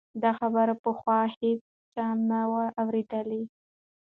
دا خبره پخوا هیچا نه وه اورېدلې.